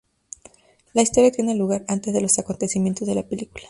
La historia tiene lugar antes de los acontecimientos de la película.